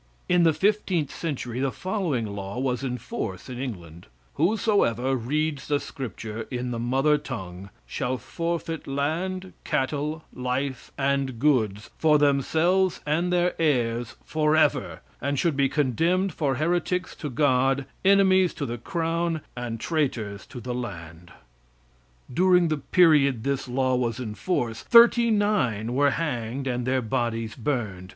In the 15th century the following law was in force in England: "Whosoever reads the Scripture in the mother tongue shall forfeit land, cattle, life and goods, for themselves and their heirs forever, and should be condemned for heretics to God, enemies to the crown, and traitors to the land." During the period this law was in force, thirty nine were hanged and their bodies burned.